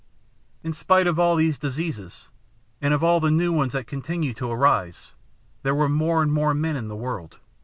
"In spite of all these diseases, and of all the new ones that continued to arise, there were more and more men in the world.